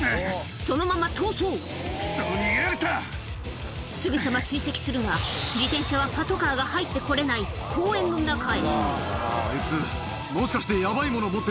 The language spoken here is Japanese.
そのまま逃走すぐさま追跡するが自転車はパトカーが入って来れない公園の中へあいつもしかして。